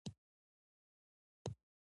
فلم د تاریخ عکاسي کوي